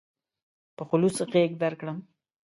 په خلوص غېږ درکړم.